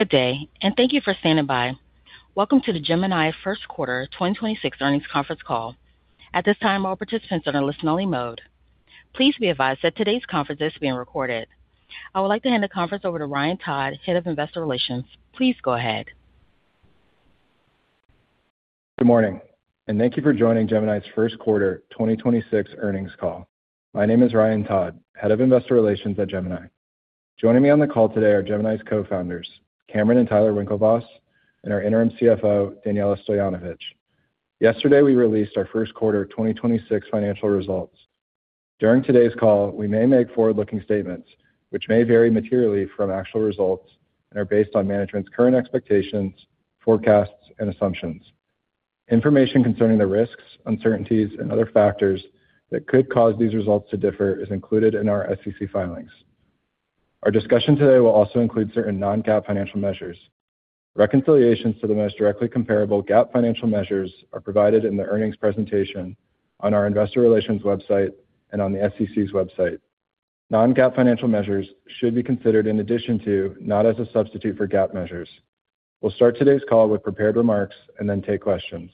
Good day. Thank you for standing by. Welcome to the Gemini first quarter 2026 earnings conference call. At this time, all participants are in listen-only mode. Please be advised that today's conference is being recorded. I would like to hand the conference over to Ryan Todd, Head of Investor Relations. Please go ahead. Good morning, and thank you for joining Gemini's first quarter 2026 earnings call. My name is Ryan Todd, Head of Investor Relations at Gemini. Joining me on the call today are Gemini's Co-Founders, Cameron and Tyler Winklevoss, and our Interim CFO, Danijela Stojanovic. Yesterday, we released our first quarter 2026 financial results. During today's call, we may make forward-looking statements which may vary materially from actual results and are based on management's current expectations, forecasts, and assumptions. Information concerning the risks, uncertainties, and other factors that could cause these results to differ is included in our SEC filings. Our discussion today will also include certain non-GAAP financial measures. Reconciliations to the most directly comparable GAAP financial measures are provided in the earnings presentation on our investor relations website and on the SEC's website. Non-GAAP financial measures should be considered in addition to, not as a substitute for, GAAP measures. We'll start today's call with prepared remarks and then take questions.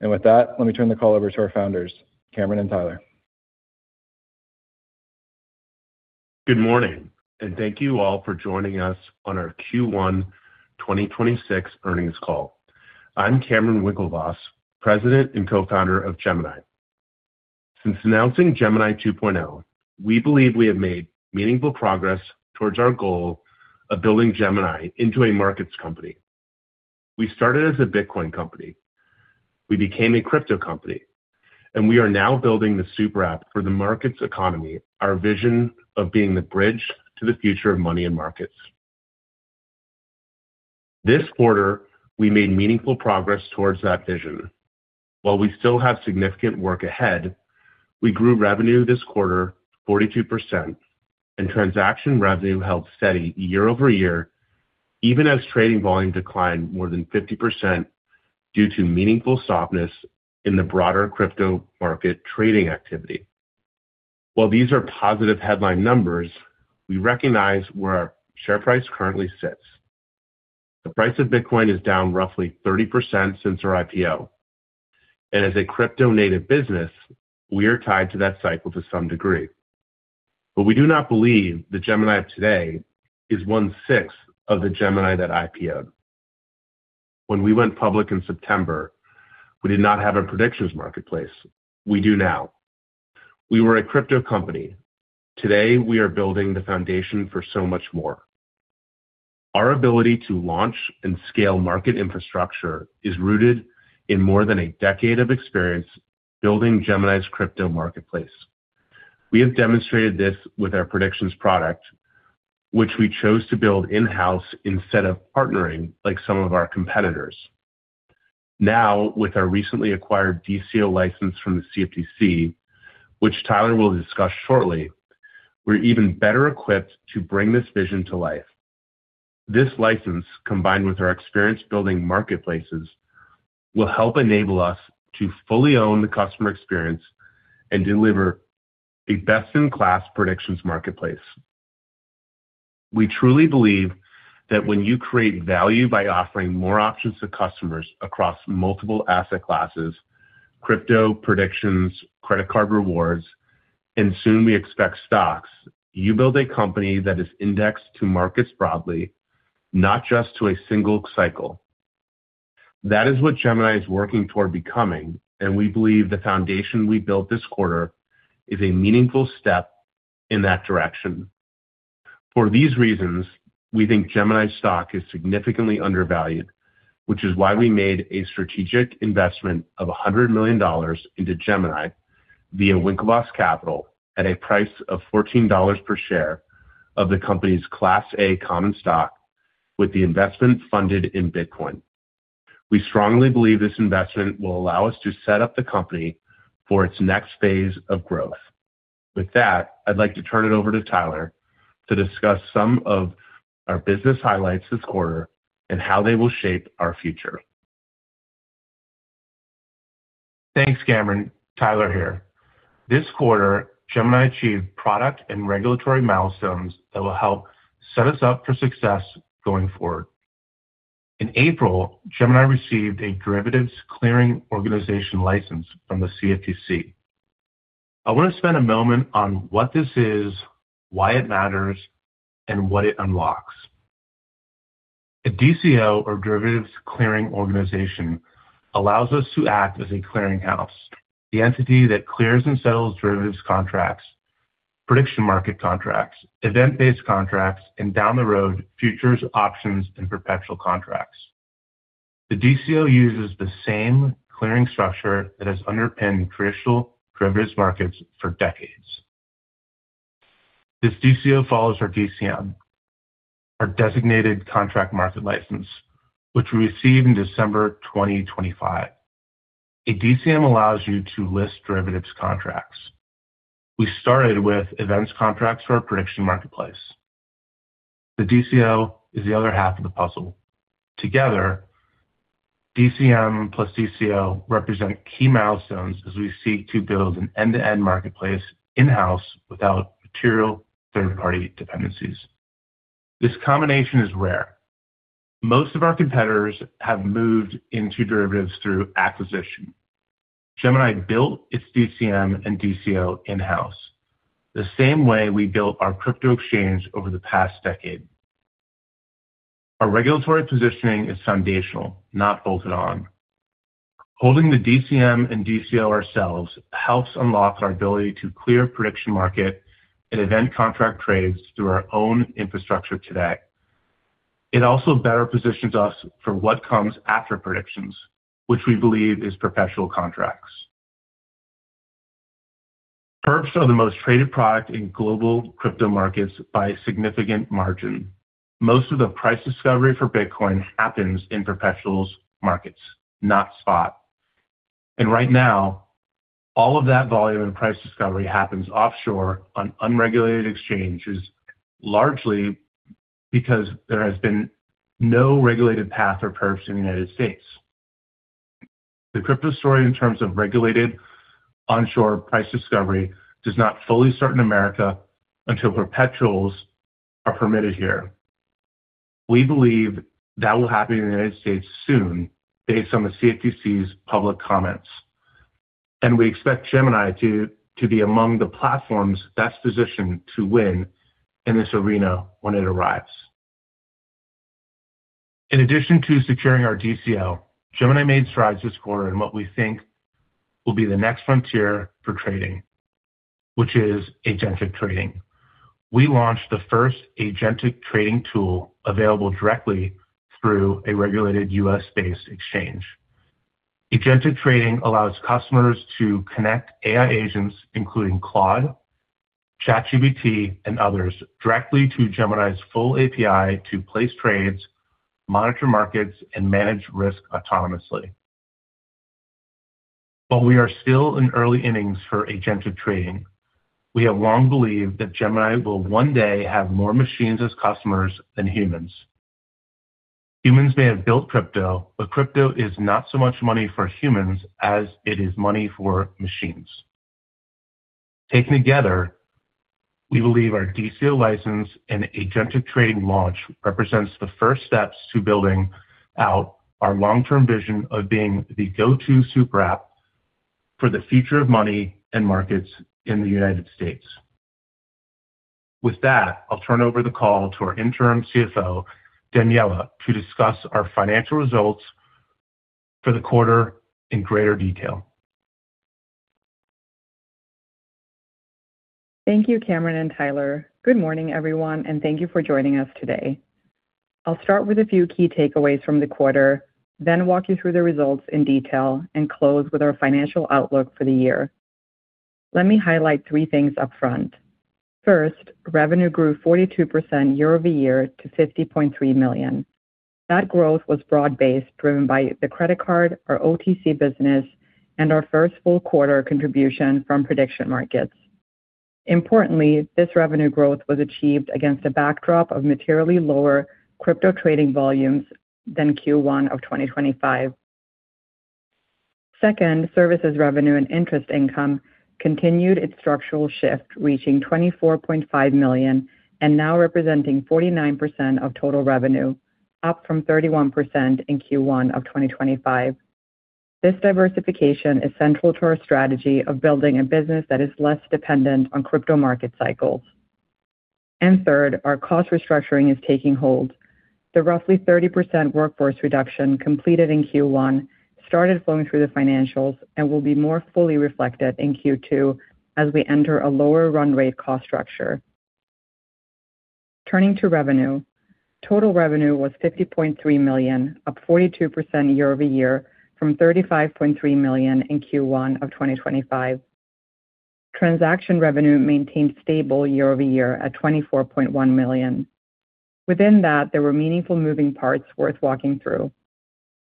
With that, let me turn the call over to our Founders, Cameron and Tyler. Good morning. Thank you all for joining us on our Q1 2026 earnings call. I'm Cameron Winklevoss, President and Co-Founder of Gemini. Since announcing Gemini 2.0, we believe we have made meaningful progress towards our goal of building Gemini into a markets company. We started as a Bitcoin company. We became a crypto company. We are now building the super app for the markets economy, our vision of being the bridge to the future of money and markets. This quarter, we made meaningful progress towards that vision. While we still have significant work ahead, we grew revenue this quarter 42% and transaction revenue held steady year-over-year, even as trading volume declined more than 50% due to meaningful softness in the broader crypto market trading activity. While these are positive headline numbers, we recognize where our share price currently sits. The price of Bitcoin is down roughly 30% since our IPO, and as a crypto-native business, we are tied to that cycle to some degree. We do not believe the Gemini of today is 1/6 of the Gemini that IPO'd. When we went public in September, we did not have a predictions marketplace. We do now. We were a crypto company. Today, we are building the foundation for so much more. Our ability to launch and scale market infrastructure is rooted in more than a decade of experience building Gemini's crypto marketplace. We have demonstrated this with our predictions product, which we chose to build in-house instead of partnering like some of our competitors. With our recently acquired DCO license from the CFTC, which Tyler will discuss shortly, we're even better equipped to bring this vision to life. This license, combined with our experience building marketplaces, will help enable us to fully own the customer experience and deliver a best-in-class predictions marketplace. We truly believe that when you create value by offering more options to customers across multiple asset classes, crypto predictions, credit card rewards, and soon we expect stocks, you build a company that is indexed to markets broadly, not just to a single cycle. That is what Gemini is working toward becoming, and we believe the foundation we built this quarter is a meaningful step in that direction. For these reasons, we think Gemini stock is significantly undervalued, which is why we made a strategic investment of $100 million into Gemini via Winklevoss Capital at a price of $14/share of the company's Class A common stock with the investment funded in Bitcoin. We strongly believe this investment will allow us to set up the company for its next phase of growth. With that, I'd like to turn it over to Tyler to discuss some of our business highlights this quarter and how they will shape our future. Thanks, Cameron. Tyler here. This quarter, Gemini achieved product and regulatory milestones that will help set us up for success going forward. In April, Gemini received a derivatives clearing organization license from the CFTC. I want to spend a moment on what this is, why it matters, and what it unlocks. A DCO, or derivatives clearing organization, allows us to act as a clearinghouse, the entity that clears and settles derivatives contracts, prediction market contracts, event-based contracts, and down the road, futures, options, and perpetual contracts. The DCO uses the same clearing structure that has underpinned crucial derivatives markets for decades. This DCO follows our DCM, our designated contract market license, which we received in December 2025. A DCM allows you to list derivatives contracts. We started with events contracts for our prediction marketplace. The DCO is the other half of the puzzle. Together, DCM plus DCO represent key milestones as we seek to build an end-to-end marketplace in-house without material third-party dependencies. This combination is rare. Most of our competitors have moved into derivatives through acquisition. Gemini built its DCM and DCO in-house, the same way we built our crypto exchange over the past decade. Our regulatory positioning is foundational, not bolted on. Holding the DCM and DCO ourselves helps unlock our ability to clear prediction market and event contract trades through our own infrastructure today. It also better positions us for what comes after predictions, which we believe is perpetual contracts. Perps are the most traded product in global crypto markets by a significant margin. Most of the price discovery for Bitcoin happens in perpetuals markets, not spot. Right now, all of that volume and price discovery happens offshore on unregulated exchanges, largely because there has been no regulated path for perps in the United States. The crypto story in terms of regulated onshore price discovery does not fully start in America until perpetuals are permitted here. We believe that will happen in the United States soon based on the CFTC's public comments. We expect Gemini to be among the platforms best positioned to win in this arena when it arrives. In addition to securing our DCO, Gemini made strides this quarter in what we think will be the next frontier for trading, which is agentic trading. We launched the first agentic trading tool available directly through a regulated U.S.-based exchange. Agentic trading allows customers to connect AI agents, including Claude, ChatGPT, and others directly to Gemini's full API to place trades, monitor markets, and manage risk autonomously. While we are still in early innings for agentic trading, we have long believed that Gemini will one day have more machines as customers than humans. Humans may have built crypto, but crypto is not so much money for humans as it is money for machines. Taken together, we believe our DCO license and agentic trading launch represents the first steps to building out our long-term vision of being the go-to super app for the future of money and markets in the United States. With that, I'll turn over the call to our Interim CFO, Danijela, to discuss our financial results for the quarter in greater detail. Thank you, Cameron and Tyler. Good morning, everyone, and thank you for joining us today. I'll start with a few key takeaways from the quarter, then walk you through the results in detail and close with our financial outlook for the year. Let me highlight three things up front. First, revenue grew 42% year-over-year to $50.3 million. That growth was broad-based, driven by the credit card, our OTC business, and our first full quarter contribution from prediction markets. Importantly, this revenue growth was achieved against a backdrop of materially lower crypto trading volumes than Q1 of 2025. Second, services revenue and interest income continued its structural shift, reaching $24.5 million and now representing 49% of total revenue, up from 31% in Q1 of 2025. This diversification is central to our strategy of building a business that is less dependent on crypto market cycles. Third, our cost restructuring is taking hold. The roughly 30% workforce reduction completed in Q1 started flowing through the financials and will be more fully reflected in Q2 as we enter a lower run rate cost structure. Turning to revenue. Total revenue was $50.3 million, up 42% year-over-year from $35.3 million in Q1 of 2025. Transaction revenue maintained stable year-over-year at $24.1 million. Within that, there were meaningful moving parts worth walking through.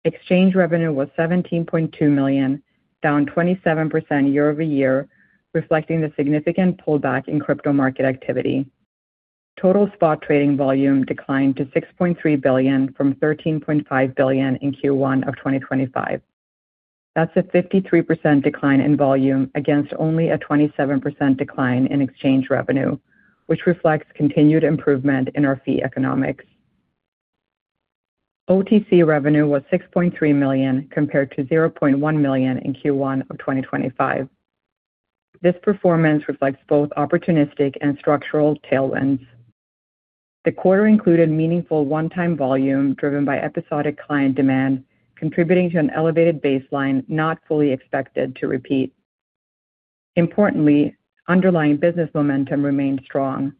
Exchange revenue was $17.2 million, down 27% year-over-year, reflecting the significant pullback in crypto market activity. Total spot trading volume declined to $6.3 billion from $13.5 billion in Q1 of 2025. That's a 53% decline in volume against only a 27% decline in exchange revenue, which reflects continued improvement in our fee economics. OTC revenue was $6.3 million compared to $0.1 million in Q1 of 2025. This performance reflects both opportunistic and structural tailwinds. The quarter included meaningful one-time volume driven by episodic client demand, contributing to an elevated baseline not fully expected to repeat. Importantly, underlying business momentum remained strong.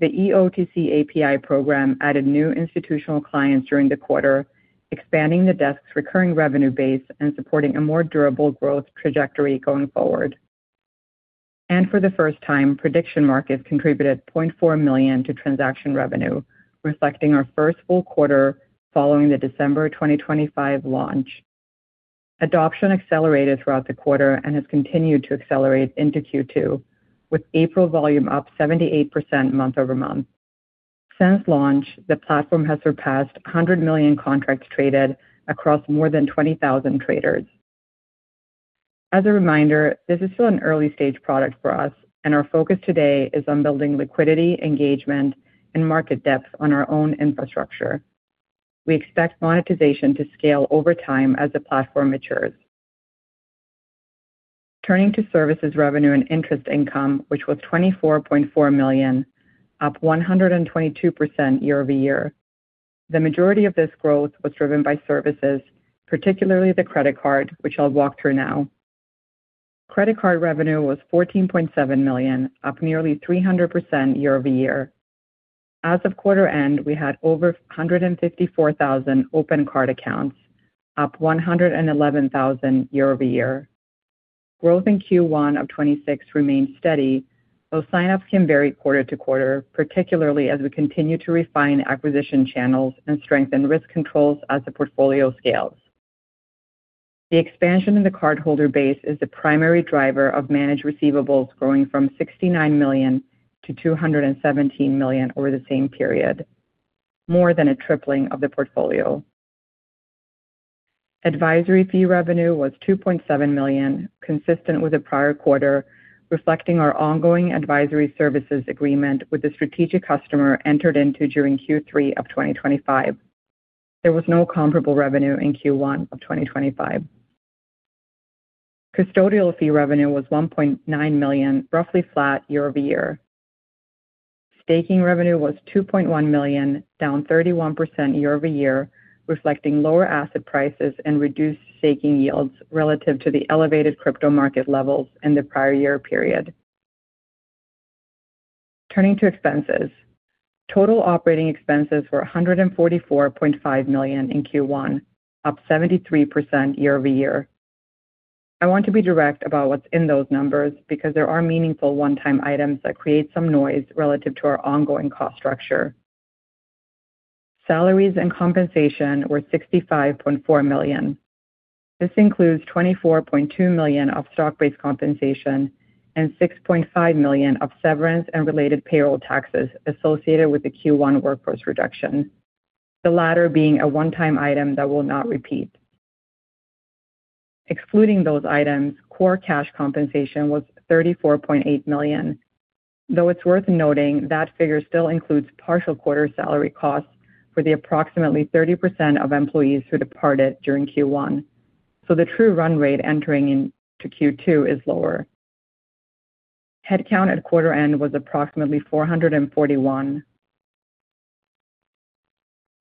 The eOTC API program added new institutional clients during the quarter, expanding the desk's recurring revenue base and supporting a more durable growth trajectory going forward. For the first time, prediction markets contributed $0.4 million to transaction revenue, reflecting our first full quarter following the December 2025 launch. Adoption accelerated throughout the quarter and has continued to accelerate into Q2, with April volume up 78% month-over-month. Since launch, the platform has surpassed 100 million contracts traded across more than 20,000 traders. As a reminder, this is still an early-stage product for us, and our focus today is on building liquidity, engagement, and market depth on our own infrastructure. We expect monetization to scale over time as the platform matures. Turning to services revenue and interest income, which was $24.4 million, up 122% year-over-year. The majority of this growth was driven by services, particularly the credit card, which I'll walk through now. Credit card revenue was $14.7 million, up nearly 300% year-over-year. As of quarter end, we had over 154,000 open card accounts, up 111,000 year-over-year. Growth in Q1 of 2026 remained steady, though sign-ups can vary quarter-to-quarter, particularly as we continue to refine acquisition channels and strengthen risk controls as the portfolio scales. The expansion of the cardholder base is the primary driver of managed receivables growing from $69 million to $217 million over the same period, more than a tripling of the portfolio. Advisory fee revenue was $2.7 million, consistent with the prior quarter, reflecting our ongoing advisory services agreement with the strategic customer entered into during Q3 of 2025. There was no comparable revenue in Q1 of 2025. Custodial fee revenue was $1.9 million, roughly flat year-over-year. Staking revenue was $2.1 million, down 31% year-over-year, reflecting lower asset prices and reduced staking yields relative to the elevated crypto market levels in the prior year period. Turning to expenses. Total operating expenses were $144.5 million in Q1, up 73% year-over-year. I want to be direct about what's in those numbers because there are meaningful one-time items that create some noise relative to our ongoing cost structure. Salaries and compensation were $65.4 million. This includes $24.2 million of stock-based compensation and $6.5 million of severance and related payroll taxes associated with the Q1 workforce reduction, the latter being a one-time item that will not repeat. Excluding those items, core cash compensation was $34.8 million, though it's worth noting that figure still includes partial quarter salary costs for the approximately 30% of employees who departed during Q1. The true run rate entering into Q2 is lower. Headcount at quarter end was approximately 441.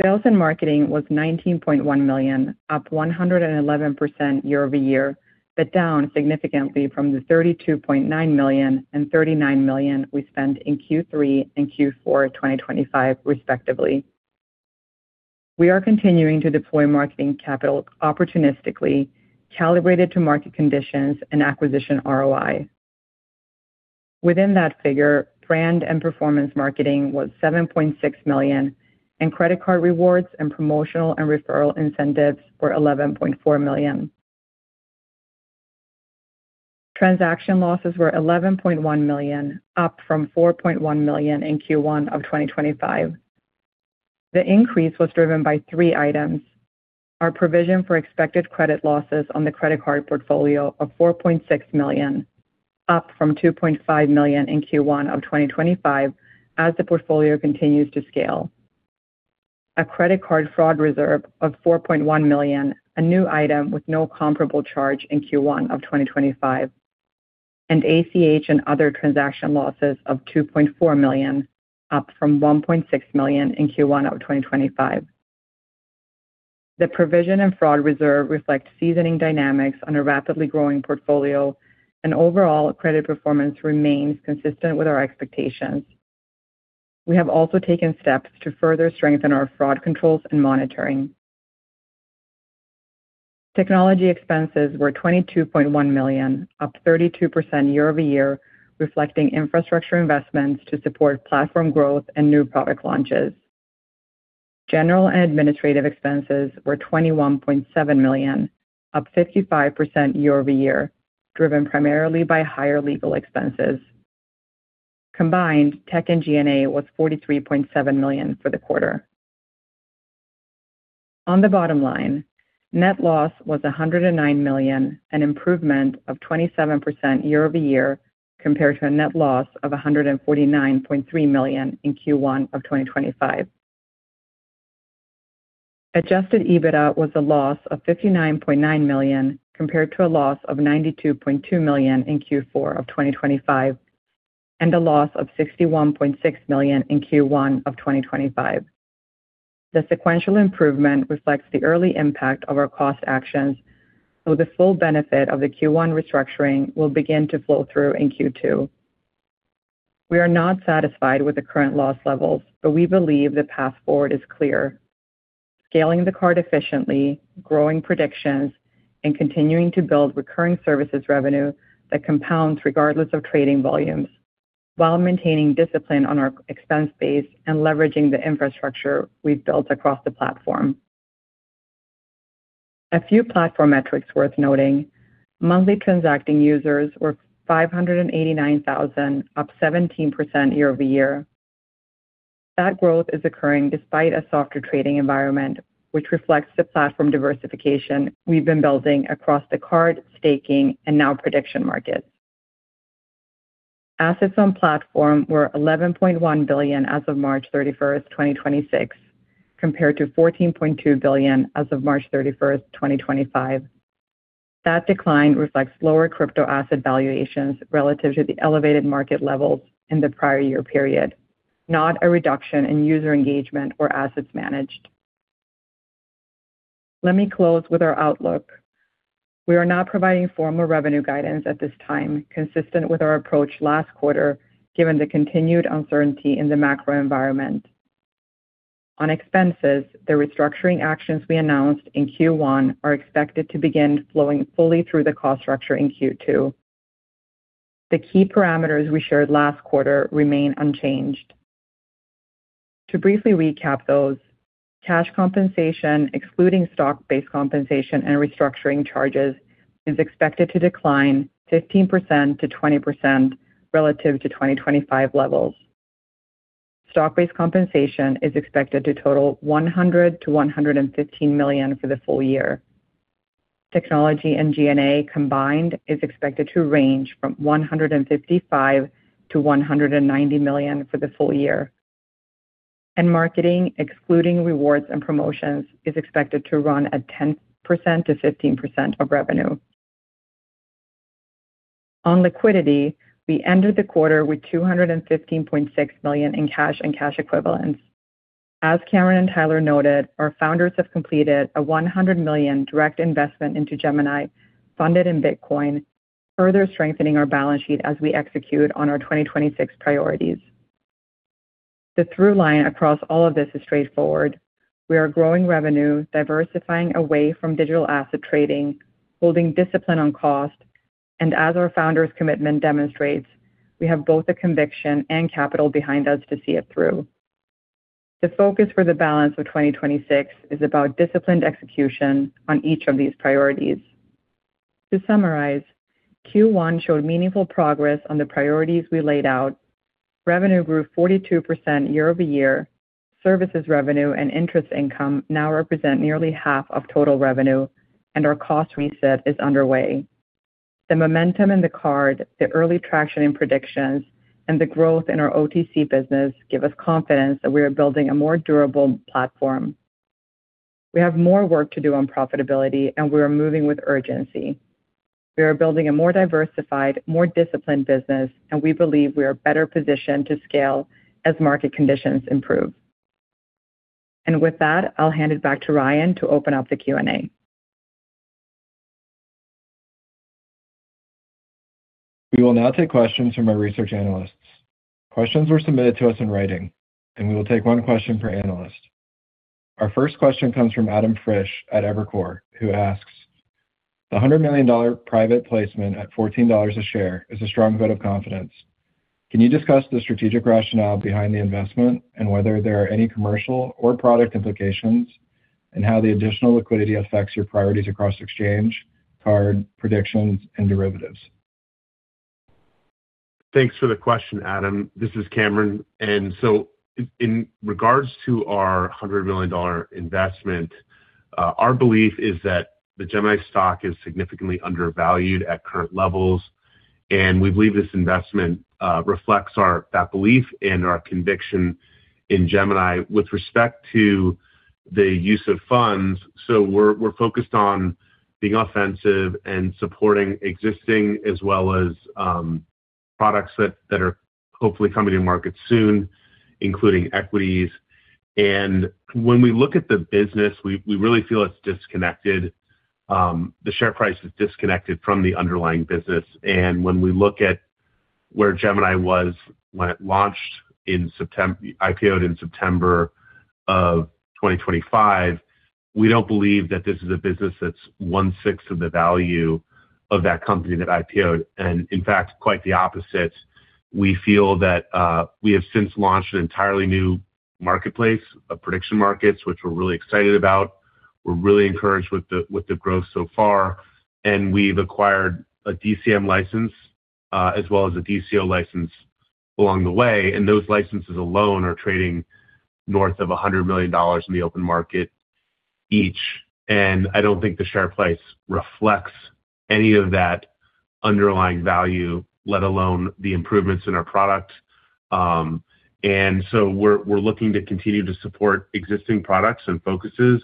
Sales and marketing was $19.1 million, up 111% year-over-year. Down significantly from the $32.9 million and $39 million we spent in Q3 and Q4 of 2025, respectively. We are continuing to deploy marketing capital opportunistically, calibrated to market conditions and acquisition ROI. Within that figure, brand and performance marketing was $7.6 million, and credit card rewards and promotional and referral incentives were $11.4 million. Transaction losses were $11.1 million, up from $4.1 million in Q1 of 2025. The increase was driven by three items. Our provision for expected credit losses on the credit card portfolio of $4.6 million, up from $2.5 million in Q1 of 2025 as the portfolio continues to scale. A credit card fraud reserve of $4.1 million, a new item with no comparable charge in Q1 of 2025. ACH and other transaction losses of $2.4 million, up from $1.6 million in Q1 of 2025. The provision and fraud reserve reflect seasoning dynamics on a rapidly growing portfolio, and overall credit performance remains consistent with our expectations. We have also taken steps to further strengthen our fraud controls and monitoring. Technology expenses were $22.1 million, up 32% year-over-year, reflecting infrastructure investments to support platform growth and new product launches. General and administrative expenses were $21.7 million, up 55% year-over-year, driven primarily by higher legal expenses. Combined, tech and G&A was $43.7 million for the quarter. On the bottom line, net loss was $109 million, an improvement of 27% year-over-year compared to a net loss of $149.3 million in Q1 of 2025. Adjusted EBITDA was a loss of $59.9 million compared to a loss of $92.2 million in Q4 of 2025 and a loss of $61.6 million in Q1 of 2025. The sequential improvement reflects the early impact of our cost actions, though the full benefit of the Q1 restructuring will begin to flow through in Q2. We are not satisfied with the current loss levels, but we believe the path forward is clear. Scaling the card efficiently, growing predictions, and continuing to build recurring services revenue that compounds regardless of trading volumes while maintaining discipline on our expense base and leveraging the infrastructure we've built across the platform. A few platform metrics worth noting. Monthly transacting users were 589,000, up 17% year-over-year. That growth is occurring despite a softer trading environment, which reflects the platform diversification we've been building across the card, staking, and now prediction markets. Assets on platform were $11.1 billion as of March 31st, 2026, compared to $14.2 billion as of March 31st, 2025. That decline reflects lower crypto asset valuations relative to the elevated market levels in the prior year period, not a reduction in user engagement or assets managed. Let me close with our outlook. We are not providing formal revenue guidance at this time, consistent with our approach last quarter, given the continued uncertainty in the macro environment. On expenses, the restructuring actions we announced in Q1 are expected to begin flowing fully through the cost structure in Q2. The key parameters we shared last quarter remain unchanged. To briefly recap those, cash compensation, excluding stock-based compensation and restructuring charges, is expected to decline 15%-20% relative to 2025 levels. Stock-based compensation is expected to total $100 million-$115 million for the full year. Technology and G&A combined is expected to range from $155 million-$190 million for the full year. Marketing, excluding rewards and promotions, is expected to run at 10%-15% of revenue. On liquidity, we ended the quarter with $215.6 million in cash and cash equivalents. As Cameron and Tyler noted, our founders have completed a $100 million direct investment into Gemini funded in Bitcoin, further strengthening our balance sheet as we execute on our 2026 priorities. The through line across all of this is straightforward. We are growing revenue, diversifying away from digital asset trading, holding discipline on cost, and as our founders' commitment demonstrates, we have both the conviction and capital behind us to see it through. The focus for the balance of 2026 is about disciplined execution on each of these priorities. To summarize, Q1 showed meaningful progress on the priorities we laid out. Revenue grew 42% year-over-year. Services revenue and interest income now represent nearly half of total revenue, and our cost reset is underway. The momentum in the card, the early traction in predictions, and the growth in our OTC business give us confidence that we are building a more durable platform. We have more work to do on profitability, and we are moving with urgency. We are building a more diversified, more disciplined business, and we believe we are better positioned to scale as market conditions improve. With that, I'll hand it back to Ryan to open up the Q&A. We will now take questions from our research analysts. Questions were submitted to us in writing, and we will take one question per analyst. Our first question comes from Adam Frisch at Evercore, who asks, "The $100 million private placement at $14 a share is a strong vote of confidence. Can you discuss the strategic rationale behind the investment and whether there are any commercial or product implications, and how the additional liquidity affects your priorities across exchange, card, predictions, and derivatives?" Thanks for the question, Adam. This is Cameron. In regards to our $100 million investment, our belief is that the Gemini stock is significantly undervalued at current levels, and we believe this investment reflects that belief and our conviction in Gemini. With respect to the use of funds, we're focused on being offensive and supporting existing as well as products that are hopefully coming to market soon, including equities. When we look at the business, we really feel it's disconnected. The share price is disconnected from the underlying business. When we look at where Gemini was when it launched in IPO'd in September of 2025, we don't believe that this is a business that's one-sixth of the value of that company that IPO'd, and in fact, quite the opposite. We feel that we have since launched an entirely new marketplace of prediction markets, which we're really excited about. We're really encouraged with the growth so far. We've acquired a DCM license as well as a DCO license along the way, and those licenses alone are trading north of $100 million in the open market each. I don't think the share price reflects any of that underlying value, let alone the improvements in our product. So we're looking to continue to support existing products and focuses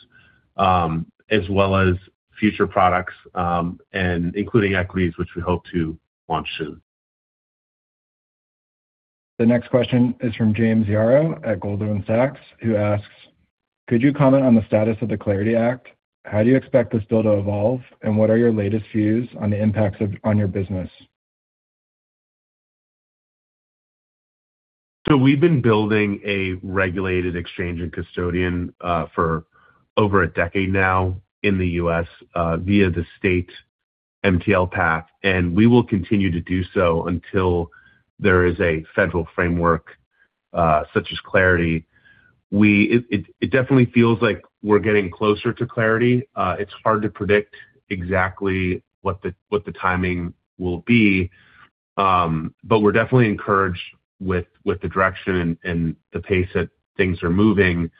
as well as future products and including equities, which we hope to launch soon. The next question is from James Yaro at Goldman Sachs, who asks, "Could you comment on the status of the CLARITY Act? How do you expect this bill to evolve, and what are your latest views on the impacts on your business?" We've been building a regulated exchange and custodian, for over a decade now in the U.S., via the state MTL path, and we will continue to do so until there is a federal framework, such as CLARITY. It definitely feels like we're getting closer to CLARITY. It's hard to predict exactly what the timing will be. But we're definitely encouraged with the direction and the pace that things are moving.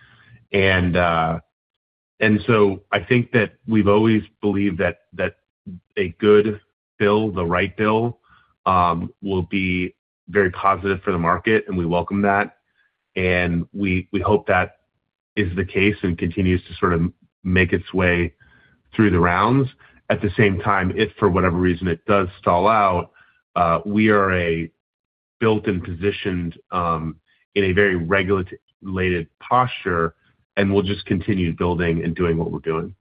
I think that we've always believed that a good bill, the right bill, will be very positive for the market, and we welcome that. We hope that is the case and continues to sort of make its way through the rounds. At the same time, if for whatever reason it does stall out, we are a built and positioned in a very regulated posture, and we'll just continue building and doing what we're doing.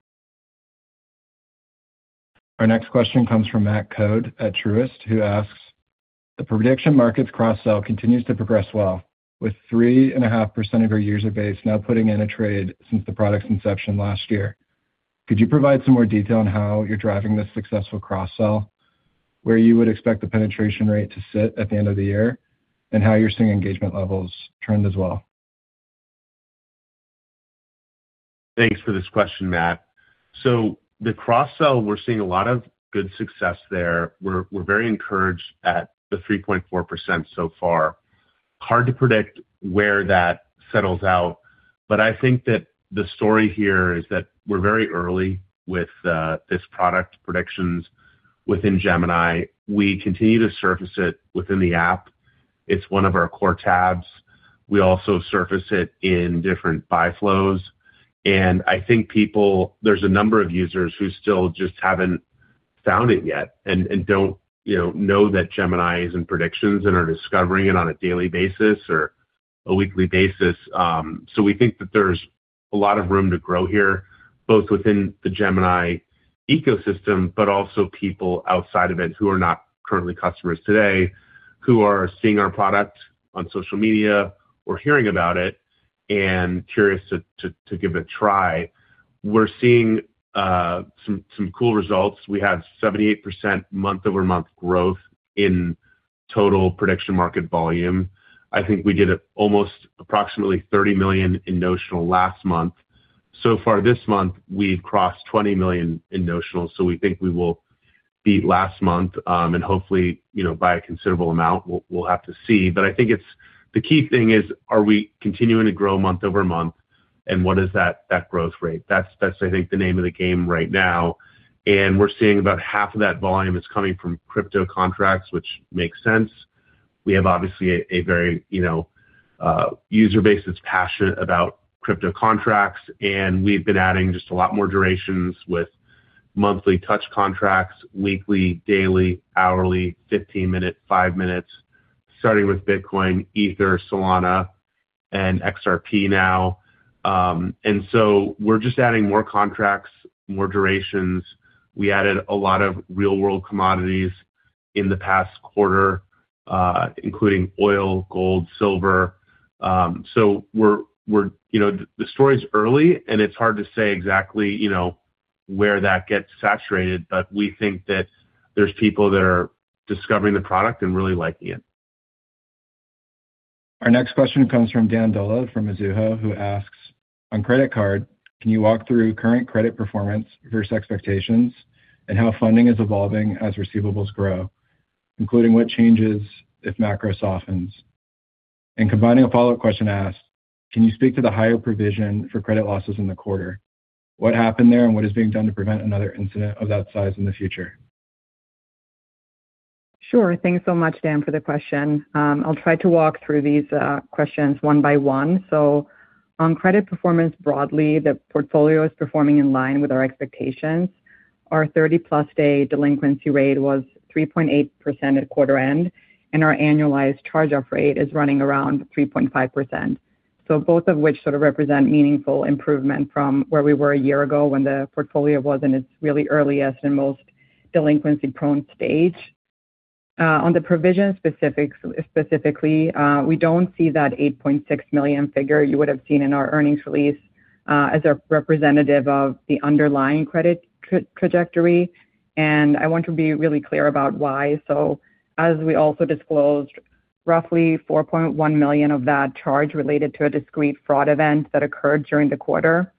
Our next question comes from Matt Coad at Truist, who asks: The prediction markets cross-sell continues to progress well, with 3.5% of our user base now putting in a trade since the product's inception last year. Could you provide some more detail on how you're driving this successful cross-sell, where you would expect the penetration rate to sit at the end of the year, and how you're seeing engagement levels trend as well? Thanks for this question, Matt. The cross-sell, we're seeing a lot of good success there. We're very encouraged at the 3.4% so far. Hard to predict where that settles out, but I think that the story here is that we're very early with this product predictions within Gemini. We continue to surface it within the app. It's one of our core tabs. We also surface it in different buy flows. I think there's a number of users who still just haven't found it yet and don't, you know that Gemini is in predictions and are discovering it on a daily basis or a weekly basis. We think that there's a lot of room to grow here, both within the Gemini ecosystem, but also people outside of it who are not currently customers today who are seeing our product on social media or hearing about it and curious to give it a try. We're seeing some cool results. We had 78% month-over-month growth in total prediction market volume. I think we did almost approximately $30 million in notional last month. Far this month, we've crossed $20 million in notional, so we think we will beat last month, and hopefully, you know, by a considerable amount. We'll have to see. I think the key thing is, are we continuing to grow month-over-month, and what is that growth rate? That's, I think, the name of the game right now. We're seeing about half of that volume is coming from crypto contracts, which makes sense. We have obviously a very, you know, user base that's passionate about crypto contracts, and we've been adding just a lot more durations with monthly touch contracts, weekly, daily, hourly, 15 minutes, five minutes, starting with Bitcoin, Ether, Solana, and XRP now. We're just adding more contracts, more durations. We added a lot of real-world commodities in the past quarter, including oil, gold, silver. We're, you know, the story's early, and it's hard to say exactly, you know, where that gets saturated, but we think that there's people that are discovering the product and really liking it. Our next question comes from Dan Dolev from Mizuho, who asks: On credit card, can you walk through current credit performance versus expectations and how funding is evolving as receivables grow, including what changes if macro softens? Combining a follow-up question asked: Can you speak to the higher provision for credit losses in the quarter? What happened there, and what is being done to prevent another incident of that size in the future? Sure. Thanks so much, Dan, for the question. I'll try to walk through these questions one by one. On credit performance broadly, the portfolio is performing in line with our expectations. Our 30+ day delinquency rate was 3.8% at quarter end, and our annualized charge-off rate is running around 3.5%. Both of which sort of represent meaningful improvement from where we were a year ago when the portfolio was in its really earliest and most delinquency-prone stage. On the provision specifics, specifically, we don't see that $8.6 million figure you would have seen in our earnings release as a representative of the underlying credit trajectory. I want to be really clear about why. As we also disclosed, roughly $4.1 million of that charge related to a discrete fraud event that occurred during the quarter.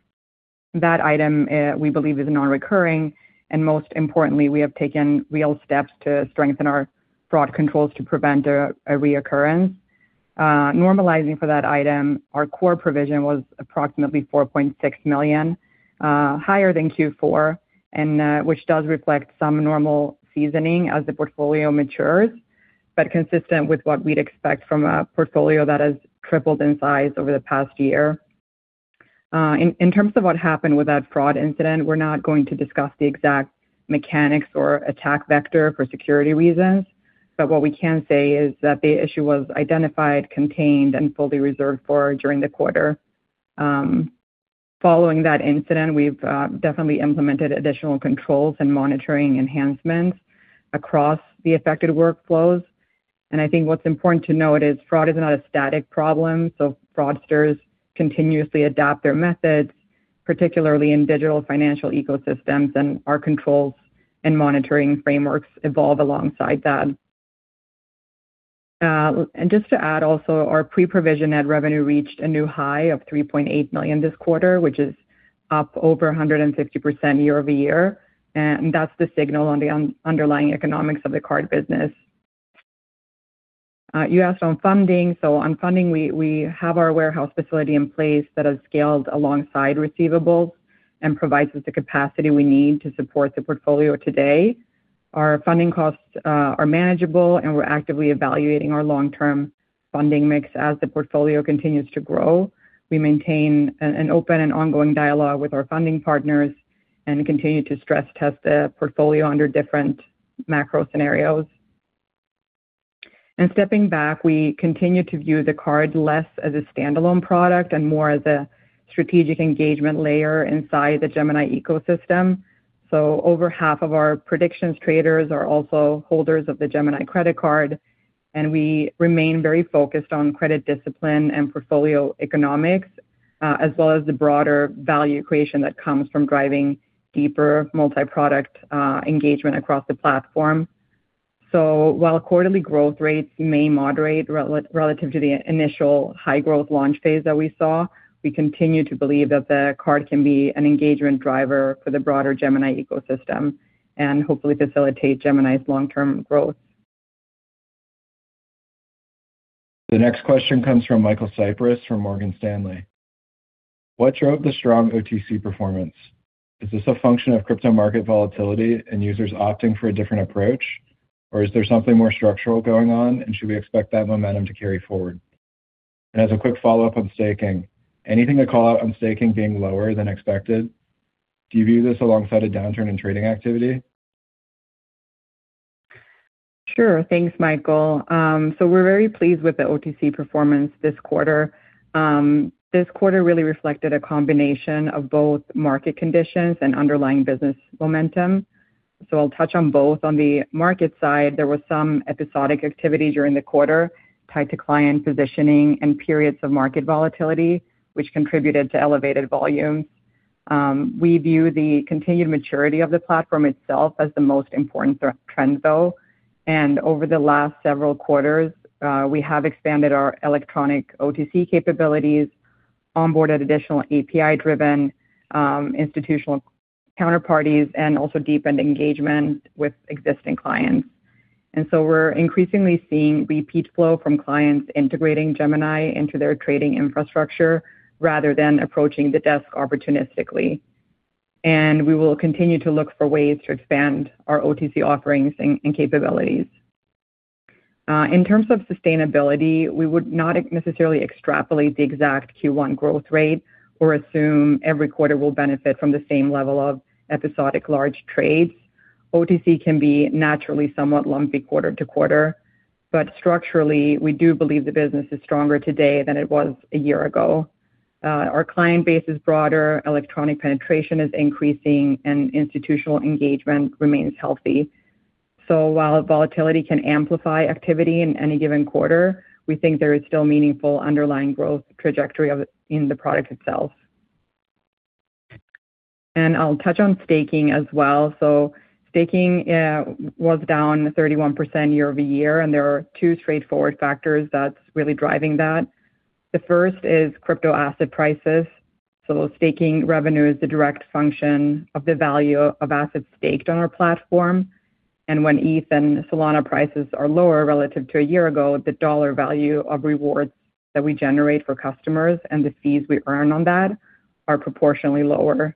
That item, we believe is non-recurring, and most importantly, we have taken real steps to strengthen our fraud controls to prevent a reoccurrence. Normalizing for that item, our core provision was approximately $4.6 million higher than Q4, and which does reflect some normal seasoning as the portfolio matures, but consistent with what we'd expect from a portfolio that has tripled in size over the past year. In terms of what happened with that fraud incident, we're not going to discuss the exact mechanics or attack vector for security reasons, but what we can say is that the issue was identified, contained, and fully reserved for during the quarter. Following that incident, we've definitely implemented additional controls and monitoring enhancements across the affected workflows. I think what's important to note is fraud is not a static problem, so fraudsters continuously adapt their methods, particularly in digital financial ecosystems, and our controls and monitoring frameworks evolve alongside that. Just to add also, our pre-provision net revenue reached a new high of $3.8 million this quarter, which is up over 150% year-over-year. That's the signal on the underlying economics of the card business. You asked on funding. On funding, we have our warehouse facility in place that has scaled alongside receivables and provides us the capacity we need to support the portfolio today. Our funding costs are manageable, and we're actively evaluating our long-term funding mix as the portfolio continues to grow. We maintain an open and ongoing dialogue with our funding partners and continue to stress test the portfolio under different macro scenarios. Stepping back, we continue to view the card less as a standalone product and more as a strategic engagement layer inside the Gemini ecosystem. Over half of our predictions traders are also holders of the Gemini Credit Card, and we remain very focused on credit discipline and portfolio economics, as well as the broader value creation that comes from driving deeper multi-product engagement across the platform. While quarterly growth rates may moderate relative to the initial high growth launch phase that we saw, we continue to believe that the card can be an engagement driver for the broader Gemini ecosystem and hopefully facilitate Gemini's long-term growth. The next question comes from Michael Cyprys from Morgan Stanley. What drove the strong OTC performance? Is this a function of crypto market volatility and users opting for a different approach, or is there something more structural going on, and should we expect that momentum to carry forward? As a quick follow-up on staking, anything to call out on staking being lower than expected? Do you view this alongside a downturn in trading activity? Sure. Thanks, Michael. We're very pleased with the OTC performance this quarter. This quarter really reflected a combination of both market conditions and underlying business momentum. I'll touch on both. On the market side, there was some episodic activity during the quarter tied to client positioning and periods of market volatility, which contributed to elevated volumes. We view the continued maturity of the platform itself as the most important trend though. Over the last several quarters, we have expanded our electronic OTC capabilities, onboarded additional API-driven institutional counterparties, and also deepened engagement with existing clients. We're increasingly seeing repeat flow from clients integrating Gemini into their trading infrastructure rather than approaching the desk opportunistically. We will continue to look for ways to expand our OTC offerings and capabilities. In terms of sustainability, we would not necessarily extrapolate the exact Q1 growth rate or assume every quarter will benefit from the same level of episodic large trades. OTC can be naturally somewhat lumpy quarter-to-quarter, but structurally, we do believe the business is stronger today than it was a year ago. Our client base is broader, electronic penetration is increasing, and institutional engagement remains healthy. While volatility can amplify activity in any given quarter, we think there is still meaningful underlying growth trajectory in the product itself. I'll touch on staking as well. Staking was down 31% year-over-year, and there are two straightforward factors that's really driving that. The first is crypto asset prices. Staking revenue is the direct function of the value of assets staked on our platform. When ETH and Solana prices are lower relative to a year ago, the dollar value of rewards that we generate for customers and the fees we earn on that are proportionally lower.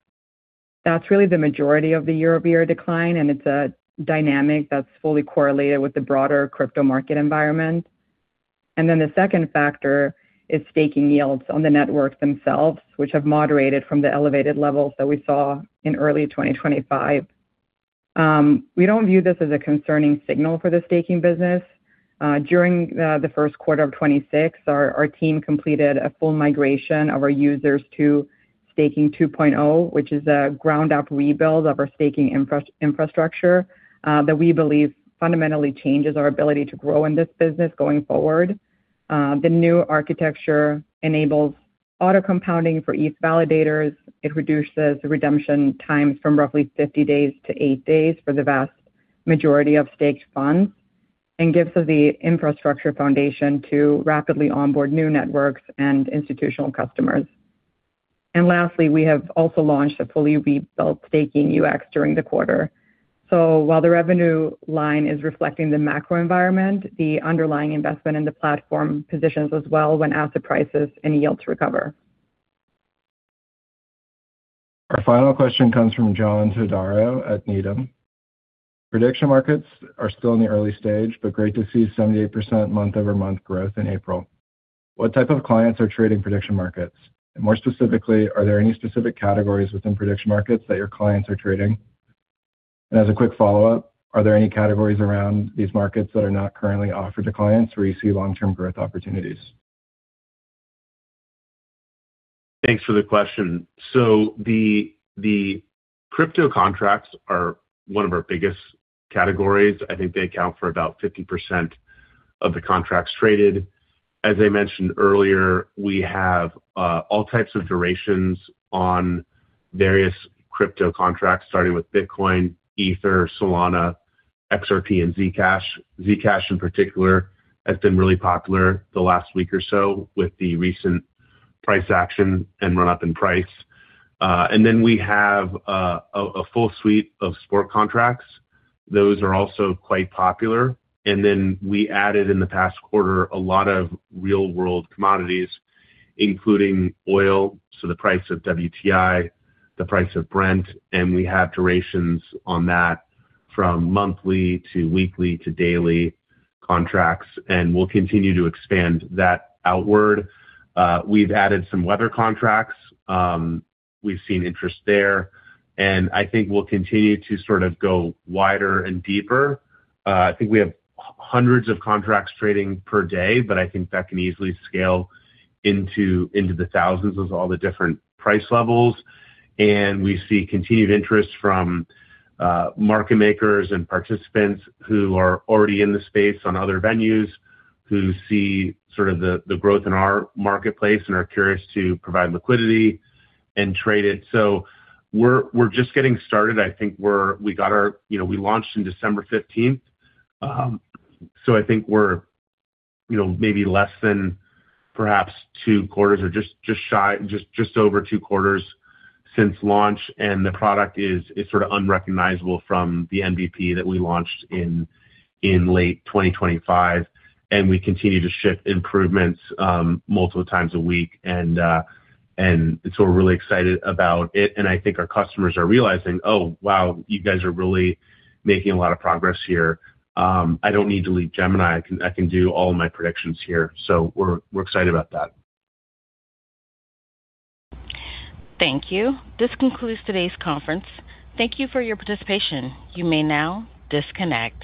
That's really the majority of the year-over-year decline, and it's a dynamic that's fully correlated with the broader crypto market environment. The second factor is staking yields on the networks themselves, which have moderated from the elevated levels that we saw in early 2025. We don't view this as a concerning signal for the staking business. During the first quarter of 2026, our team completed a full migration of our users to Staking 2.0, which is a ground-up rebuild of our staking infrastructure that we believe fundamentally changes our ability to grow in this business going forward. The new architecture enables auto-compounding for ETH validators. It reduces the redemption time from roughly 50 days to eight days for the vast majority of staked funds and gives us the infrastructure foundation to rapidly onboard new networks and institutional customers. Lastly, we have also launched a fully rebuilt staking UX during the quarter. While the revenue line is reflecting the macro environment, the underlying investment in the platform positions us well when asset prices and yields recover. Our final question comes from John Todaro at Needham. Prediction markets are still in the early stage, but great to see 78% month-over-month growth in April. What type of clients are trading prediction markets? More specifically, are there any specific categories within prediction markets that your clients are trading? As a quick follow-up, are there any categories around these markets that are not currently offered to clients where you see long-term growth opportunities? Thanks for the question. The, the crypto contracts are one of our biggest categories. I think they account for about 50% of the contracts traded. As I mentioned earlier, we have all types of durations on various crypto contracts, starting with Bitcoin, Ether, Solana, XRP, and Zcash. Zcash in particular has been really popular the last week or so with the recent price action and run-up in price. Then we have a full suite of spot contracts. Those are also quite popular. We added in the past quarter a lot of real-world commodities, including oil, the price of WTI, the price of Brent, we have durations on that from monthly to weekly to daily contracts, we'll continue to expand that outward. We've added some weather contracts. We've seen interest there. I think we'll continue to go wider and deeper. I think we have hundreds of contracts trading per day, but I think that can easily scale into the thousands with all the different price levels. We see continued interest from market makers and participants who are already in the space on other venues who see the growth in our marketplace and are curious to provide liquidity and trade it. We're just getting started. I think we got our, we launched in December 15th. I think we're maybe less than perhaps two quarters or just over two quarters since launch, and the product is sort of unrecognizable from the MVP that we launched in late 2025. We continue to ship improvements multiple times a week and so we're really excited about it, and I think our customers are realizing, "Oh, wow, you guys are really making a lot of progress here. I don't need to leave Gemini. I can do all of my predictions here." We're excited about that. Thank you. This concludes today's conference. Thank you for your participation. You may now disconnect.